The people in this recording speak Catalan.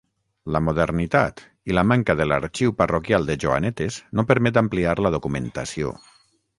La modernitat i la manca de l'arxiu parroquial de Joanetes no permet ampliar la documentació.